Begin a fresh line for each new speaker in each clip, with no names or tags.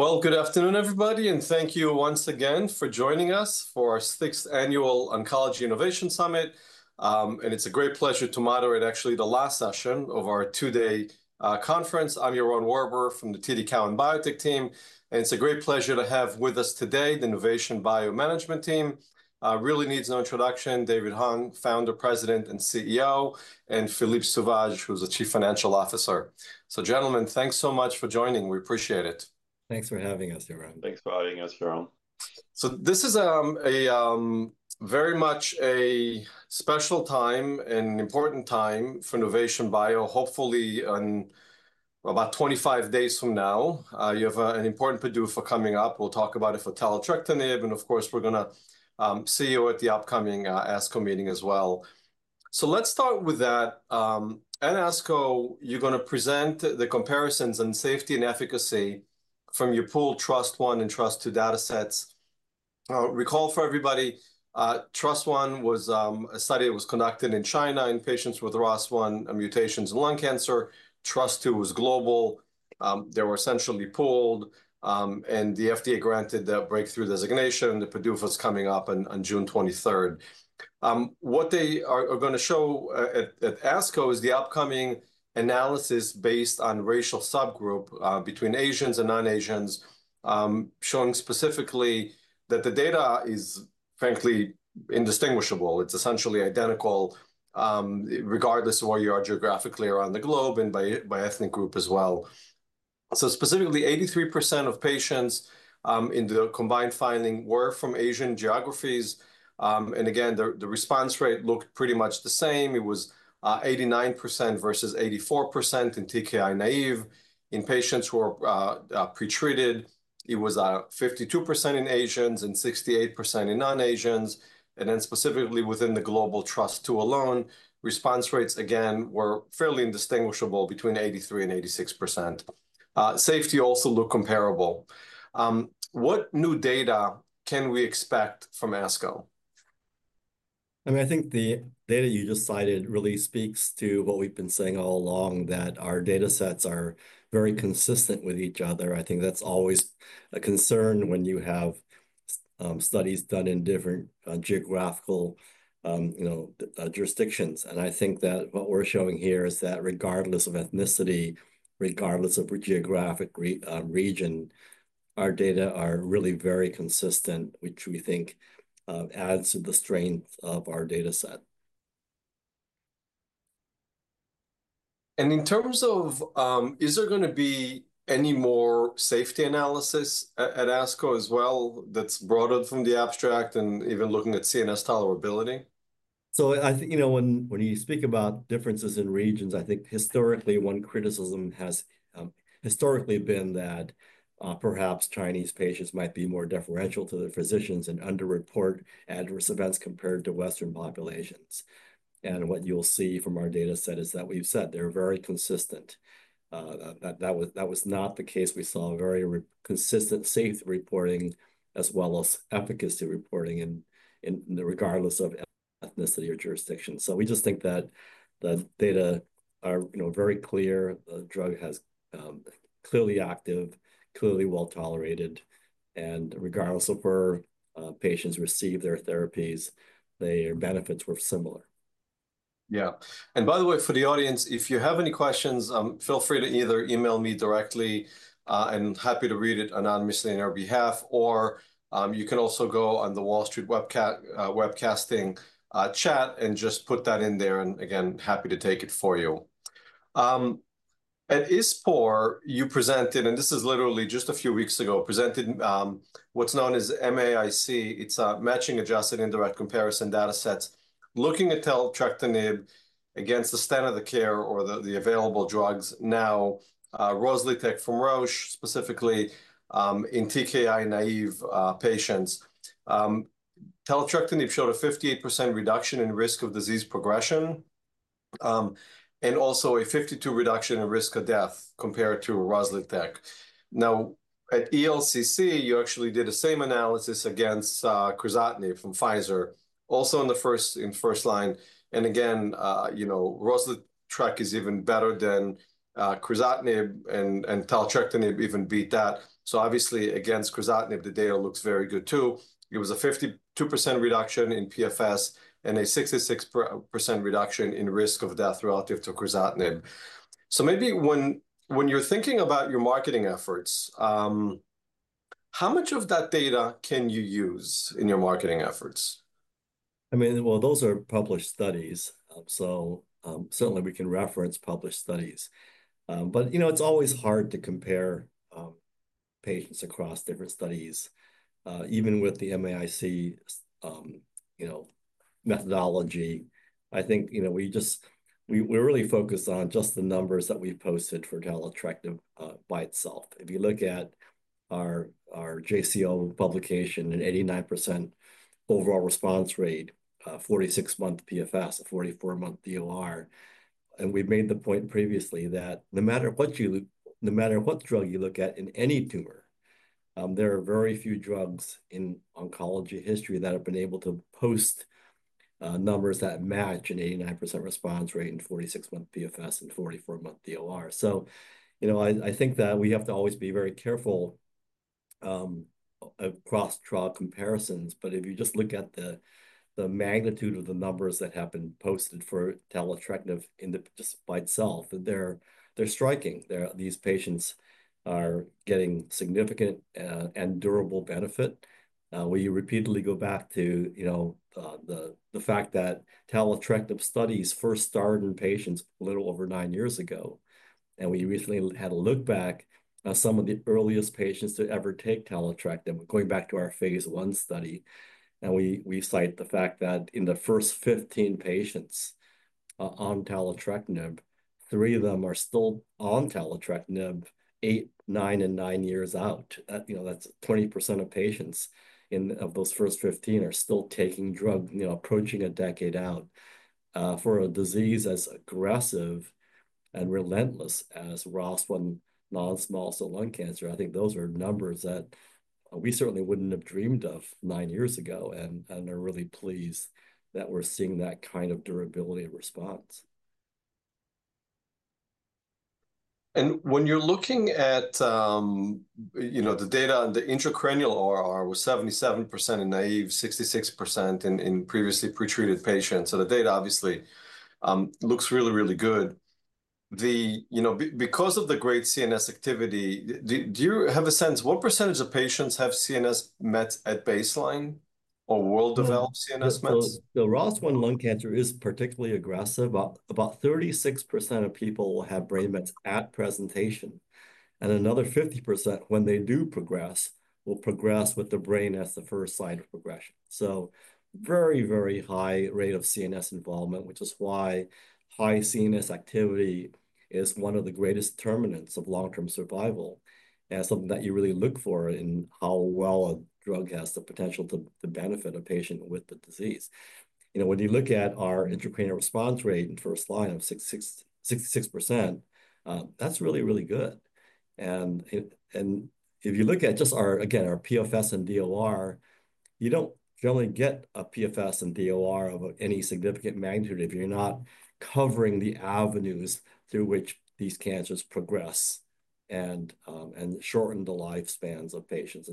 Good afternoon, everybody, and thank you once again for joining us for our 6th Annual Oncology Innovation Summit. It's a great pleasure to moderate, actually, the last session of our 2-day conference. I'm Jerome Warber from the TD Cowen Biotech team, and it's a great pleasure to have with us today the Nuvation Bio management team. Really needs no introduction: David Hung, founder, president, and CEO; and Philippe Sauvage, who's Chief Financial Officer. Gentlemen, thanks so much for joining. We appreciate it.
Thanks for having us, Jerome.
Thanks for having us, Jerome.
This is, a, very much a special time and important time for Nuvation Bio, hopefully in about 25 days from now. You have an important PDUFA coming up. We'll talk about it for taletrectinib, and of course we're gonna, see you at the upcoming ASCO meeting as well. Let's start with that. At ASCO, you're gonna present the comparisons in safety and efficacy from your pooled TRUST-I and TRUST-II data sets. Recall for everybody, TRUST-I was, a study that was conducted in China in patients with ROS1 mutations and lung cancer. TRUST-II was global. They were essentially pooled, and the FDA granted the Breakthrough Therapy Designation. The PDUFA is coming up on June 23, 2025. What they are gonna show at ASCO is the upcoming analysis based on racial subgroup, between Asians and non-Asians, showing specifically that the data is, frankly, indistinguishable. It's essentially identical, regardless of where you are geographically around the globe and by ethnic group as well. Specifically, 83% of patients in the combined finding were from Asian geographies, and again, the response rate looked pretty much the same. It was 89% versus 84% in TKI-naive. In patients who are pretreated, it was 52% in Asians and 68% in non-Asians. Then specifically within the global TRUST-II alone, response rates again were fairly indistinguishable between 83% and 86%. Safety also looked comparable. What new data can we expect from ASCO?
I mean, I think the data you just cited really speaks to what we've been saying all along, that our data sets are very consistent with each other. I think that's always a concern when you have studies done in different geographical, you know, jurisdictions. I think that what we're showing here is that regardless of ethnicity, regardless of geographic region, our data are really very consistent, which we think adds to the strength of our data set.
In terms of, is there gonna be any more safety analysis at ASCO as well that's brought in from the abstract and even looking at CNS tolerability?
I think, you know, when you speak about differences in regions, I think historically one criticism has been that, perhaps Chinese patients might be more deferential to their physicians and under-report adverse events compared to Western populations. What you'll see from our data set is that we've said they're very consistent. That was not the case. We saw very consistent safety reporting as well as efficacy reporting regardless of ethnicity or jurisdiction. We just think that the data are, you know, very clear. The drug is clearly active, clearly well tolerated, and regardless of where patients receive their therapies, their benefits were similar.
Yeah. By the way, for the audience, if you have any questions, feel free to either email me directly, and happy to read it anonymously on our behalf, or you can also go on the Wall Street Webcast, Webcasting, chat and just put that in there. Again, happy to take it for you. At ISPOR, you presented, and this is literally just a few weeks ago, presented what's known as MAIC. It's a matching adjusted indirect comparison data set looking at taletrectinib against the standard of care or the available drugs. Now, Rozlytrek from Roche specifically, in TKI-naive patients, taletrectinib showed a 58% reduction in risk of disease progression, and also a 52% reduction in risk of death compared to Rozlytrek. At ELCC, you actually did the same analysis against crizotinib from Pfizer, also in the first line. You know, Rozlytrek is even better than crizotinib, and taletrectinib even beat that. Obviously, against crizotinib, the data looks very good too. It was a 52% reduction in PFS and a 66% reduction in risk of death relative to crizotinib. Maybe when you're thinking about your marketing efforts, how much of that data can you use in your marketing efforts?
I mean, those are published studies. So, certainly we can reference published studies. But, you know, it's always hard to compare patients across different studies, even with the MAIC methodology. I think, you know, we're really focused on just the numbers that we've posted for taletrectinib by itself. If you look at our JCO publication, an 89% overall response rate, 46-month PFS, a 44-month DOR. And we've made the point previously that no matter what drug you look at in any tumor, there are very few drugs in oncology history that have been able to post numbers that match an 89% response rate, 46-month PFS, and 44-month DOR. So, you know, I think that we have to always be very careful across trial comparisons. If you just look at the magnitude of the numbers that have been posted for taletrectinib just by itself, they're striking. These patients are getting significant and durable benefit. We repeatedly go back to the fact that taletrectinib studies first started in patients a little over nine years ago. We recently had a look back at some of the earliest patients to ever take taletrectinib, going back to our phase one study. We cite the fact that in the first 15 patients on taletrectinib, three of them are still on taletrectinib eight, nine, and nine years out. You know, that's 20% of those first 15 are still taking drug, you know, approaching a decade out. For a disease as aggressive and relentless as ROS1 non-small cell lung cancer, I think those are numbers that we certainly would not have dreamed of nine years ago. And are really pleased that we are seeing that kind of durability and response.
When you're looking at, you know, the data on the intracranial ORR, it was 77% in naive, 66% in previously pretreated patients. The data obviously looks really, really good. You know, because of the great CNS activity, do you have a sense what percentage of patients have CNS mets at baseline or well-developed CNS mets?
ROS1 lung cancer is particularly aggressive. About 36% of people will have brain mets at presentation, and another 50%, when they do progress, will progress with the brain as the first site of progression. Very, very high rate of CNS involvement, which is why high CNS activity is one of the greatest determinants of long-term survival and something that you really look for in how well a drug has the potential to benefit a patient with the disease. You know, when you look at our intracranial response rate in first line of 66%, that's really, really good. And if you look at just our, again, our PFS and DOR, you do not generally get a PFS and DOR of any significant magnitude if you are not covering the avenues through which these cancers progress and shorten the lifespans of patients.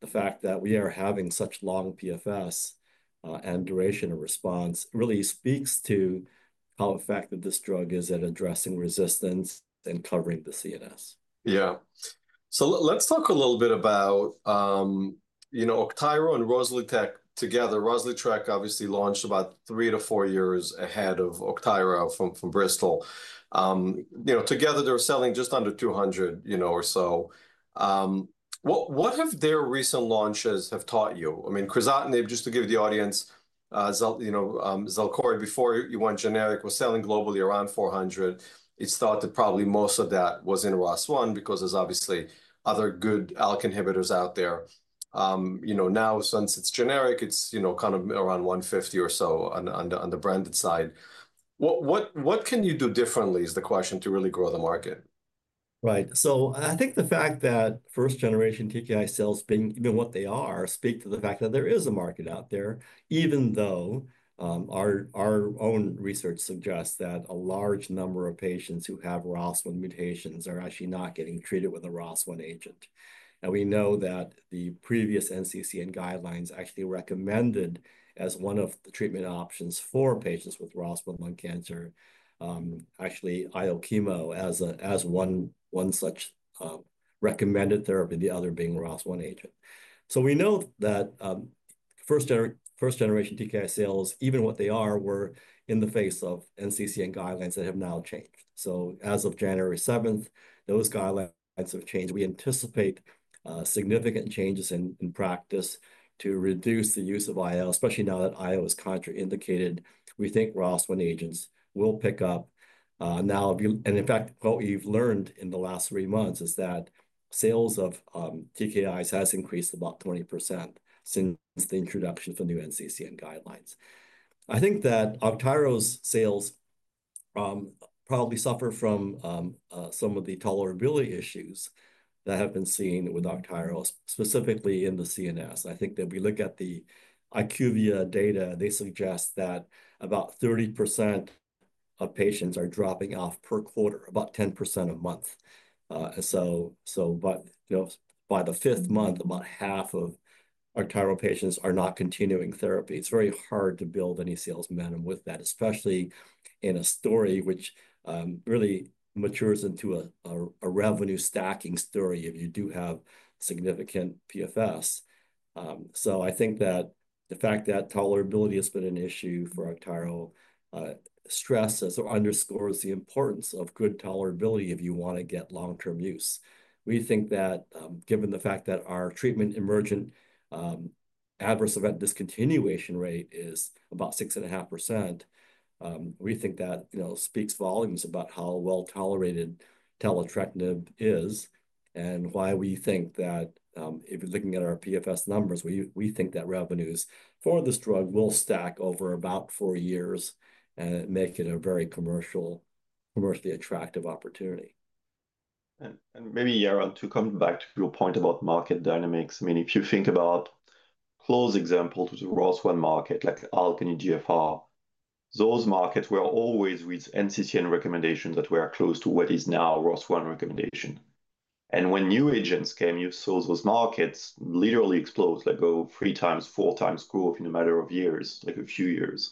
The fact that we are having such long PFS, and duration of response really speaks to how effective this drug is at addressing resistance and covering the CNS.
Yeah. So let's talk a little bit about, you know, Octiro and Rozlytrek together. Rozlytrek obviously launched about three to four years ahead of Octiro from Bristol. You know, together they're selling just under $200 million or so. What have their recent launches taught you? I mean, crizotinib, just to give the audience, you know, Xalkori before it went generic was selling globally around $400 million. It's thought that probably most of that was in ROS1 because there's obviously other good ALK inhibitors out there. You know, now since it's generic, it's, you know, kind of around $150 million or so on the branded side. What can you do differently is the question to really grow the market?
Right. I think the fact that first-generation TKI sales being even what they are speak to the fact that there is a market out there, even though our own research suggests that a large number of patients who have ROS1 mutations are actually not getting treated with a ROS1 agent. We know that the previous NCCN guidelines actually recommended as one of the treatment options for patients with ROS1 lung cancer, actually IO chemo as one such recommended therapy, the other being ROS1 agent. We know that first-generation TKI sales, even what they are, were in the face of NCCN guidelines that have now changed. As of January 7th, those guidelines have changed. We anticipate significant changes in practice to reduce the use of IO, especially now that IO is contraindicated. We think ROS1 agents will pick up. Now, if you, and in fact, what we've learned in the last three months is that sales of TKIs has increased about 20% since the introduction of the new NCCN guidelines. I think that Octiro's sales probably suffer from some of the tolerability issues that have been seen with Octiro, specifically in the CNS. I think that if we look at the IQVIA data, they suggest that about 30% of patients are dropping off per quarter, about 10% a month. You know, by the fifth month, about half of Octiro patients are not continuing therapy. It's very hard to build any sales minimum with that, especially in a story which really matures into a revenue stacking story if you do have significant PFS. I think that the fact that tolerability has been an issue for Rozlytrek stresses or underscores the importance of good tolerability if you want to get long-term use. We think that, given the fact that our treatment-emergent adverse event discontinuation rate is about 6.5%, we think that, you know, speaks volumes about how well tolerated taletrectinib is and why we think that, if you're looking at our PFS numbers, we think that revenues for this drug will stack over about 4 years and make it a very commercially attractive opportunity.
And maybe, Yaron, to come back to your point about market dynamics, I mean, if you think about close examples to the ROS1 market, like ALK and EGFR, those markets were always with NCCN recommendations that were close to what is now ROS1 recommendation. When new agents came, you saw those markets literally explode, like go 3 times, 4 times growth in a matter of years, like a few years.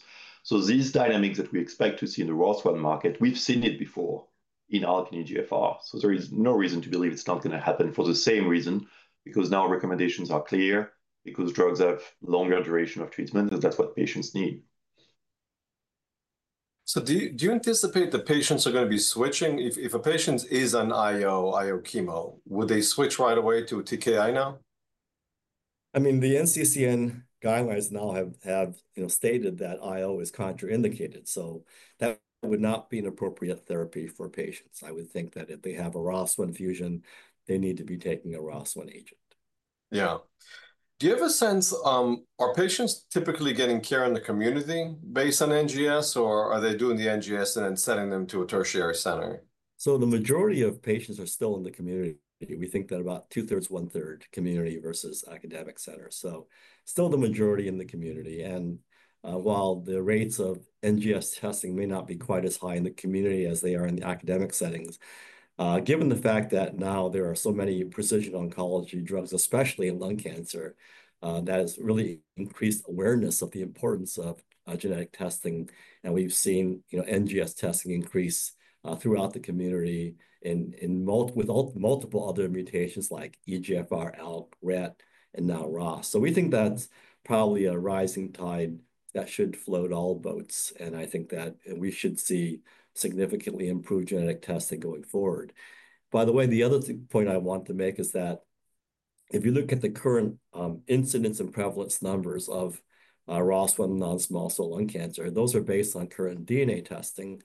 These dynamics that we expect to see in the ROS1 market, we've seen it before in ALK and EGFR. There is no reason to believe it's not going to happen for the same reason, because now recommendations are clear, because drugs have longer duration of treatment, because that's what patients need. Do you anticipate the patients are going to be switching? If a patient is on IO, IO chemo, would they switch right away to TKI now?
I mean, the NCCN guidelines now have, you know, stated that IO is contraindicated. So that would not be an appropriate therapy for patients. I would think that if they have a ROS1 fusion, they need to be taking a ROS1 agent.
Yeah. Do you have a sense, are patients typically getting care in the community based on NGS, or are they doing the NGS and then sending them to a tertiary center?
The majority of patients are still in the community. We think that about two-thirds, one-third community versus academic center. Still the majority in the community. While the rates of NGS testing may not be quite as high in the community as they are in the academic settings, given the fact that now there are so many precision oncology drugs, especially in lung cancer, that has really increased awareness of the importance of genetic testing. We have seen, you know, NGS testing increase throughout the community with multiple other mutations like EGFR, ALK, RET, and now ROS. We think that is probably a rising tide that should float all boats. I think that we should see significantly improved genetic testing going forward. By the way, the other point I want to make is that if you look at the current incidence and prevalence numbers of ROS1 non-small cell lung cancer, those are based on current DNA testing.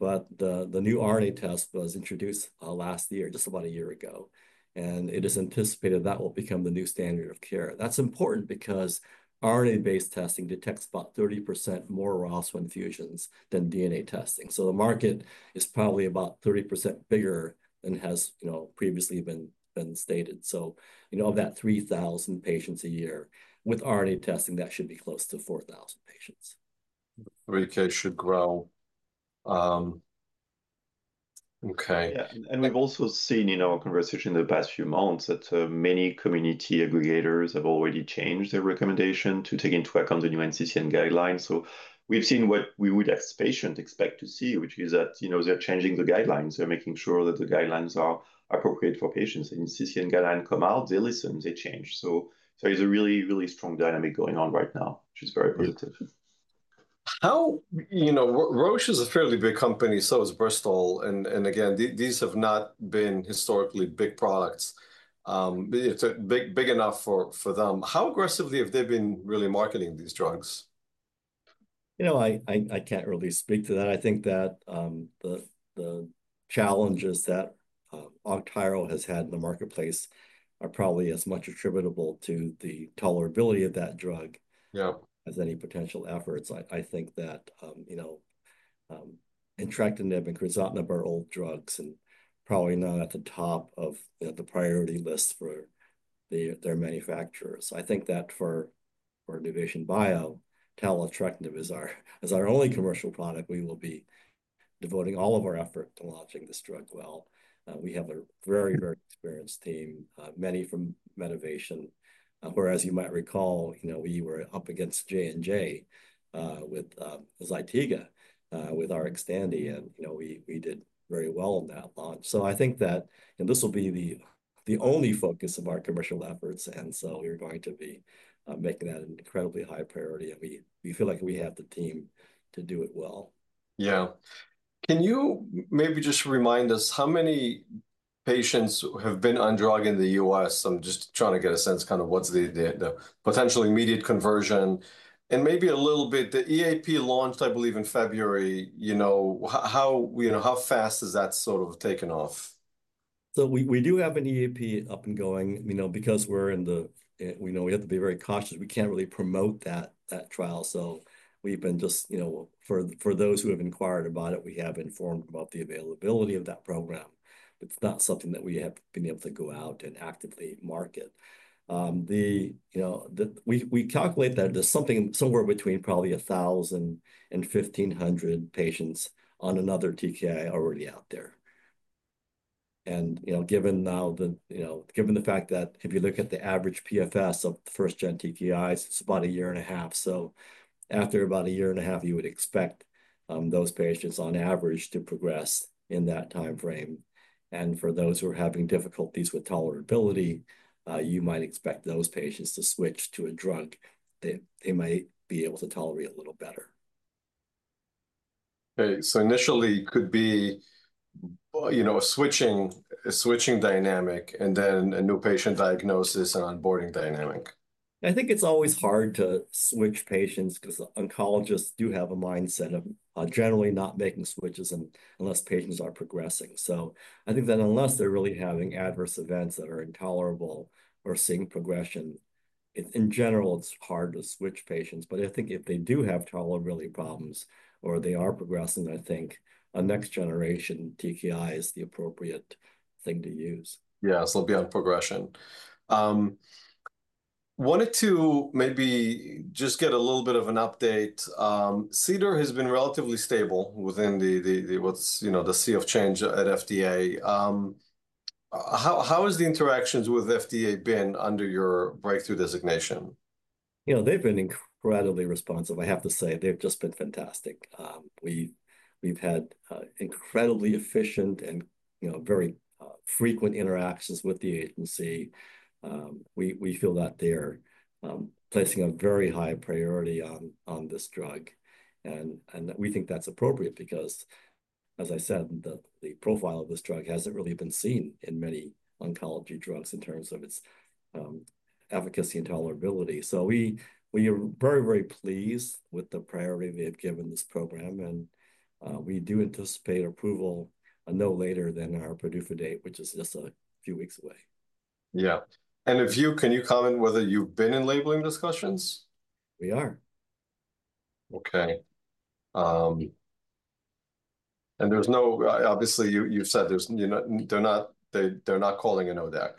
The new RNA test was introduced last year, just about a year ago. It is anticipated that will become the new standard of care. That's important because RNA-based testing detects about 30% more ROS1 fusions than DNA testing. The market is probably about 30% bigger than has, you know, previously been stated. You know, of that 3,000 patients a year with RNA testing, that should be close to 4,000 patients.
Rate case should grow. Okay. Yeah.
And we've also seen, you know, a conversation in the past few months that many community aggregators have already changed their recommendation to take into account the new NCCN guidelines. We've seen what we would as patients expect to see, which is that, you know, they're changing the guidelines. They're making sure that the guidelines are appropriate for patients. NCCN guidelines come out, they listen, they change. There is a really, really strong dynamic going on right now, which is very positive.
How, you know, Roche is a fairly big company, so is Bristol. And again, these have not been historically big products. It's big enough for them. How aggressively have they been really marketing these drugs?
You know, I can't really speak to that. I think that the challenges that Octiro has had in the marketplace are probably as much attributable to the tolerability of that drug.
Yeah.
As any potential efforts. I think that, you know, Rozlytrek and crizotinib are old drugs and probably not at the top of the priority list for their manufacturers. I think that for Nuvation Bio, taletrectinib is our only commercial product. We will be devoting all of our effort to launching this drug well. We have a very, very experienced team, many from Medivation. You might recall, you know, we were up against J&J, with Zytiga, with our Xtandi. You know, we did very well on that launch. I think that, you know, this will be the only focus of our commercial efforts. We are going to be making that an incredibly high priority. We feel like we have the team to do it well.
Yeah. Can you maybe just remind us how many patients have been on drug in the U.S.? I'm just trying to get a sense kind of what's the potential immediate conversion and maybe a little bit the EAP launched, I believe, in February. You know, how fast has that sort of taken off?
We do have an EAP up and going, you know, because we're in the, you know, we have to be very cautious. We can't really promote that trial. We've been just, you know, for those who have inquired about it, we have informed about the availability of that program. It's not something that we have been able to go out and actively market. We calculate that there's something somewhere between probably 1,000 and 1,500 patients on another TKI already out there. You know, given now the, you know, given the fact that if you look at the average PFS of first-gen TKIs, it's about a year and a half. After about a year and a half, you would expect those patients on average to progress in that timeframe. For those who are having difficulties with tolerability, you might expect those patients to switch to a drug that they might be able to tolerate a little better.
Okay. So initially it could be, you know, a switching dynamic and then a new patient diagnosis and onboarding dynamic.
I think it's always hard to switch patients because oncologists do have a mindset of generally not making switches unless patients are progressing. I think that unless they're really having adverse events that are intolerable or seeing progression, in general, it's hard to switch patients. I think if they do have tolerability problems or they are progressing, I think a next-generation TKI is the appropriate thing to use.
Yeah. So beyond progression, wanted to maybe just get a little bit of an update. Cedar has been relatively stable within the sea of change at FDA. How has the interactions with FDA been under your breakthrough designation?
You know, they've been incredibly responsive. I have to say they've just been fantastic. We've had incredibly efficient and, you know, very frequent interactions with the agency. We feel that they're placing a very high priority on this drug. We think that's appropriate because, as I said, the profile of this drug hasn't really been seen in many oncology drugs in terms of its efficacy and tolerability. We are very, very pleased with the priority they've given this program. We do anticipate approval no later than our PDUFA date, which is just a few weeks away.
Yeah. If you can, can you comment whether you've been in labeling discussions?
We are.
Okay. And there's no, obviously, you've said there's, you know, they're not, they're not calling an ODEC.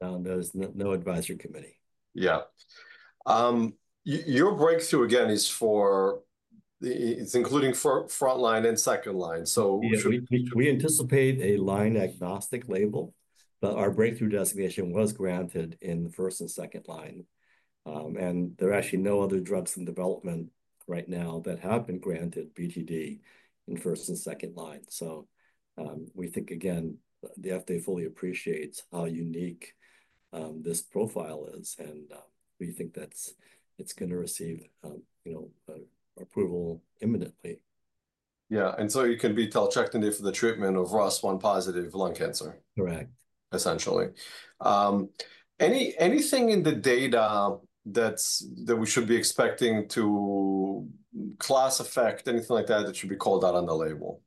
There's no advisory committee.
Yeah. Your breakthrough again is for, it's including front line and second line. So we.
We anticipate a line agnostic label, but our Breakthrough Therapy Designation was granted in first and second line. There are actually no other drugs in development right now that have been granted BGD in first and second line. We think, again, the FDA fully appreciates how unique this profile is. We think that it's going to receive, you know, approval imminently.
Yeah. And so it can be taletrectinib for the treatment of ROS1-positive lung cancer.
Correct.
Essentially, anything in the data that's that we should be expecting to class effect, anything like that that should be called out on the label?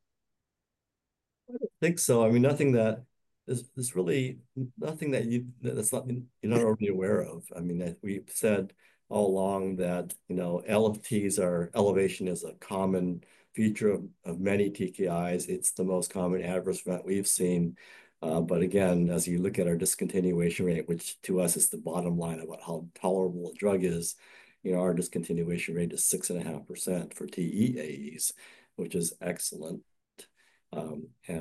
I don't think so. I mean, nothing that is really nothing that you are not already aware of. I mean, we've said all along that, you know, LFTs elevation is a common feature of many TKIs. It's the most common adverse event we've seen. Again, as you look at our discontinuation rate, which to us is the bottom line of how tolerable a drug is, you know, our discontinuation rate is 6.5% for TEAEs, which is excellent.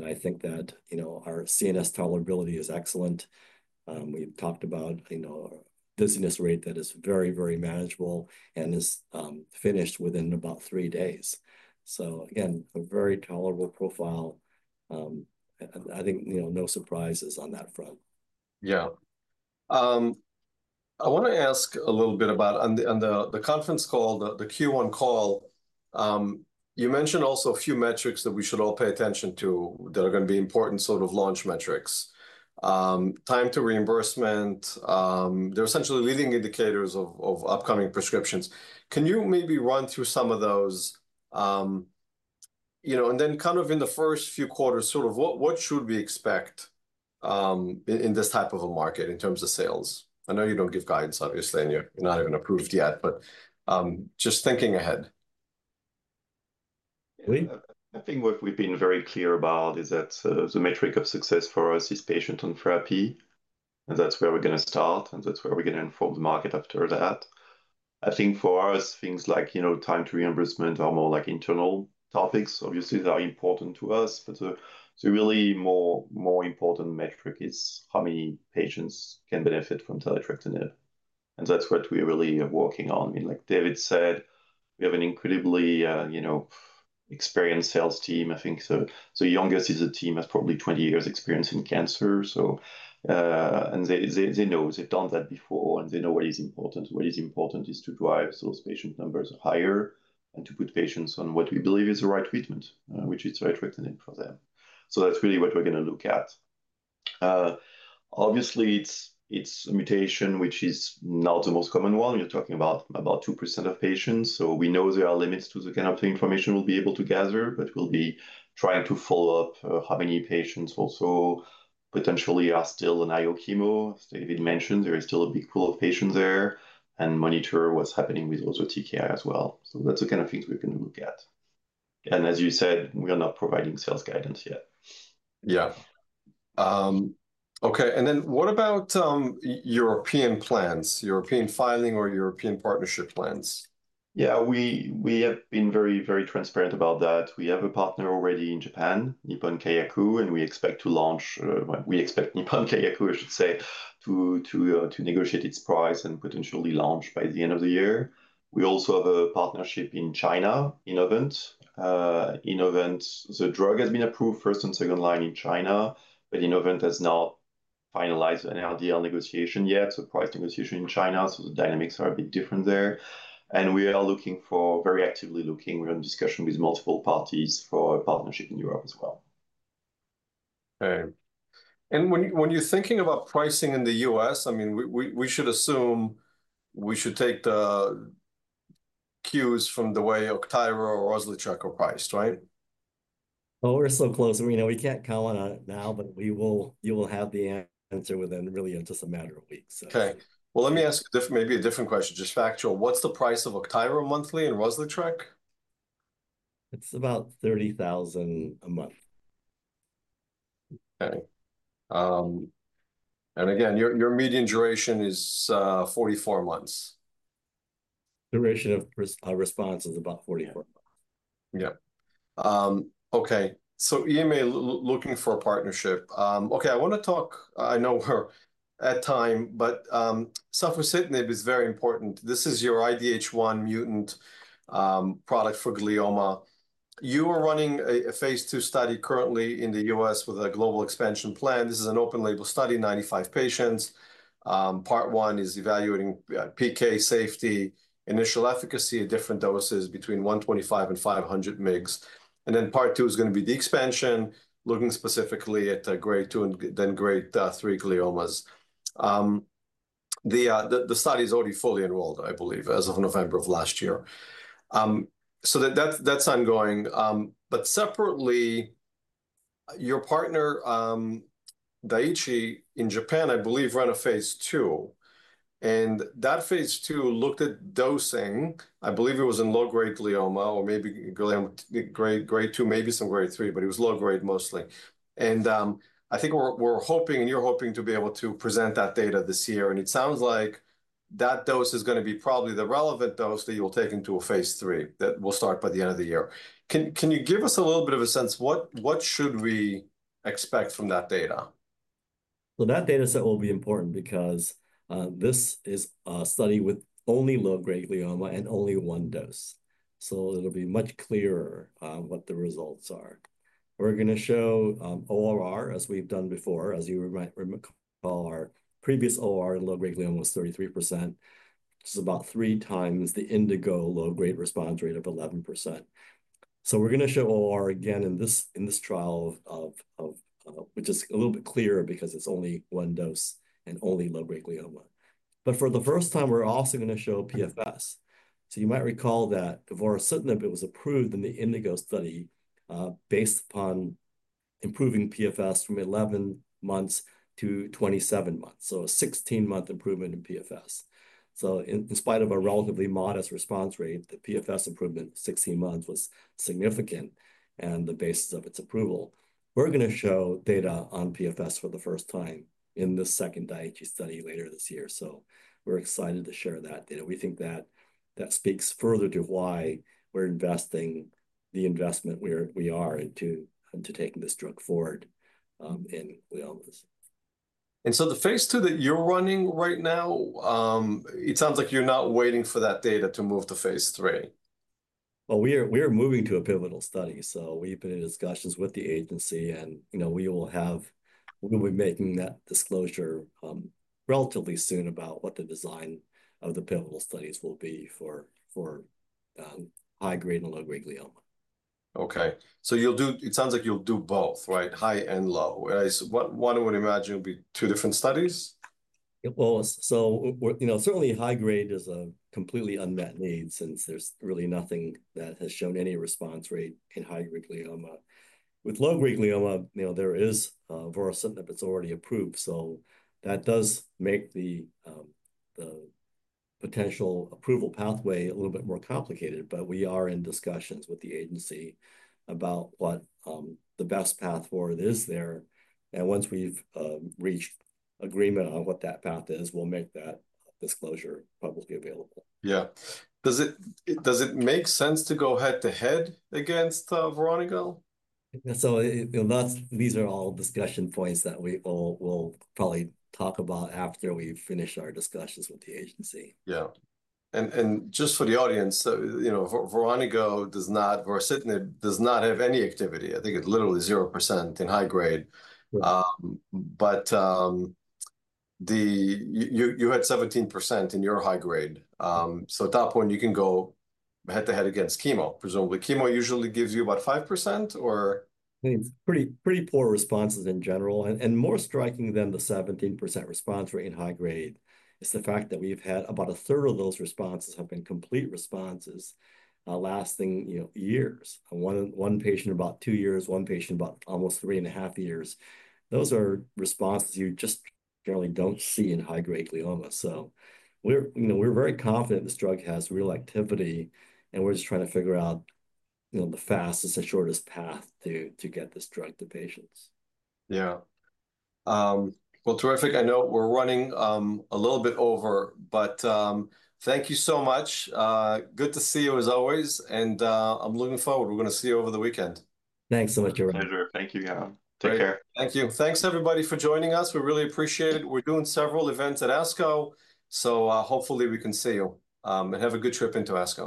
I think that, you know, our CNS tolerability is excellent. We've talked about, you know, a dizziness rate that is very, very manageable and is finished within about three days. Again, a very tolerable profile. I think, you know, no surprises on that front.
Yeah. I want to ask a little bit about, on the conference call, the Q1 call, you mentioned also a few metrics that we should all pay attention to that are going to be important sort of launch metrics. Time to reimbursement, they're essentially leading indicators of upcoming prescriptions. Can you maybe run through some of those, you know, and then kind of in the first few quarters, sort of what should we expect, in this type of a market in terms of sales? I know you don't give guidance, obviously, and you're not even approved yet, but just thinking ahead.
I think what we've been very clear about is that the metric of success for us is patient on therapy. That's where we're going to start. That's where we're going to inform the market after that. I think for us, things like, you know, time to reimbursement are more like internal topics. Obviously, they are important to us. The really more important metric is how many patients can benefit from taletrectinib. That's what we're really working on. I mean, like David said, we have an incredibly, you know, experienced sales team. I think the youngest is a team that's probably 20 years experience in cancer. They know they've done that before. They know what is important. What is important is to drive those patient numbers higher and to put patients on what we believe is the right treatment, which is taletrectinib for them. That is really what we are going to look at. Obviously, it is a mutation, which is not the most common one. You are talking about 2% of patients. We know there are limits to the kind of information we will be able to gather, but we will be trying to follow up how many patients also potentially are still on IO chemo. David mentioned there is still a big pool of patients there and monitor what is happening with those TKIs as well. That is the kind of things we are going to look at. As you said, we are not providing sales guidance yet.
Yeah. Okay. And then what about European plans, European filing or European partnership plans?
Yeah. We have been very, very transparent about that. We have a partner already in Japan, Nippon Kayaku, and we expect Nippon Kayaku, I should say, to negotiate its price and potentially launch by the end of the year. We also have a partnership in China, Innovent. Innovent, the drug has been approved first and second line in China, but Innovent has not finalized an RDL negotiation yet, so price negotiation in China. The dynamics are a bit different there. We are very actively looking. We're in discussion with multiple parties for a partnership in Europe as well.
Okay. And when you're thinking about pricing in the U.S., I mean, we should assume we should take the cues from the way Rozlytrek or Repotrectinib are priced, right?
We're so close. I mean, you know, we can't comment on it now, but we will, you will have the answer within really just a matter of weeks.
Okay. Let me ask maybe a different question, just factual. What's the price of Octiro monthly and Rozlytrek?
It's about $30,000 a month.
Okay. And again, your median duration is 44 months.
Duration of response is about 44 months.
Yeah. Okay. So EMA looking for a partnership. Okay. I want to talk, I know we're at time, but, safusidenib is very important. This is your IDH1 mutant product for glioma. You are running a phase two study currently in the U.S. with a global expansion plan. This is an open label study, 95 patients. Part one is evaluating PK safety, initial efficacy at different doses between 125 and 500 mg. And then part two is going to be the expansion, looking specifically at grade 2 and then grade 3 gliomas. The study is already fully enrolled, I believe, as of November of last year. So that's ongoing. But separately, your partner, Daiichi in Japan, I believe, ran a phase two. And that phase two looked at dosing. I believe it was in low-grade glioma or maybe glioma grade 2, maybe some grade 3, but it was low-grade mostly. I think we're hoping and you're hoping to be able to present that data this year. It sounds like that dose is going to be probably the relevant dose that you will take into a phase three that will start by the end of the year. Can you give us a little bit of a sense what should we expect from that data?
That data set will be important because this is a study with only low-grade glioma and only one dose. It will be much clearer what the results are. We're going to show ORR as we've done before. As you might recall, our previous ORR in low-grade glioma was 33%, which is about three times the Indigo low-grade response rate of 11%. We're going to show ORR again in this trial, which is a little bit clearer because it's only one dose and only low-grade glioma. For the first time, we're also going to show PFS. You might recall that vorasidenib was approved in the Indigo study based upon improving PFS from 11 months to 27 months, so a 16-month improvement in PFS. In spite of a relatively modest response rate, the PFS improvement of 16 months was significant and the basis of its approval. We're going to show data on PFS for the first time in the second Daiichi study later this year. We're excited to share that data. We think that speaks further to why we're investing the investment we are into taking this drug forward, in gliomas.
The phase two that you're running right now, it sounds like you're not waiting for that data to move to phase three.
We are moving to a pivotal study. We have been in discussions with the agency, and, you know, we will be making that disclosure relatively soon about what the design of the pivotal studies will be for high-grade and low-grade glioma.
Okay. So you'll do, it sounds like you'll do both, right? High and low. And I, one would imagine, would be two different studies.
Certainly, high-grade is a completely unmet need since there's really nothing that has shown any response rate in high-grade glioma. With low-grade glioma, you know, there is vorasidenib that's already approved. That does make the potential approval pathway a little bit more complicated. We are in discussions with the agency about what the best path forward is there. Once we've reached agreement on what that path is, we'll make that disclosure publicly available.
Yeah. Does it make sense to go head-to-head against Repotrectinib?
You know, these are all discussion points that we all will probably talk about after we finish our discussions with the agency.
Yeah. And just for the audience, you know, vorasidenib does not have any activity. I think it's literally 0% in high-grade. You had 17% in your high-grade, so at that point, you can go head-to-head against chemo, presumably. Chemo usually gives you about 5% or.
I mean, pretty poor responses in general. And more striking than the 17% response rate in high-grade is the fact that we've had about a third of those responses have been complete responses, lasting, you know, years. One patient about two years, one patient about almost three and a half years. Those are responses you just generally don't see in high-grade glioma. So we're, you know, we're very confident this drug has real activity. And we're just trying to figure out, you know, the fastest and shortest path to get this drug to patients.
Yeah. Terrific. I know we're running a little bit over, but thank you so much. Good to see you as always. I'm looking forward. We're going to see you over the weekend.
Thanks so much, everyone.
Pleasure. Thank you, John. Take care.
Thank you. Thanks, everybody, for joining us. We really appreciate it. We're doing several events at ASCO. Hopefully, we can see you and have a good trip into ASCO.